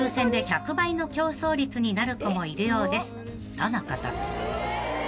［とのこと］